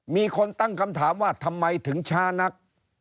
มีคนตั้งคำถามว่าทำไมถึงช้านัก